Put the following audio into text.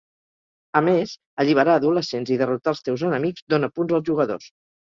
A més, alliberar adolescents i derrotar els teus enemics dona punts al jugadors.